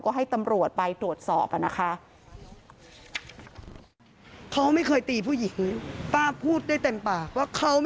ก็ให้ตำรวจไปตรวจสอบนะคะ